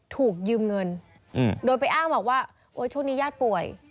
ถูกยืมเงินโดยไปอ้างบอกว่าโอ้ยช่วงนี้ญาติป่วย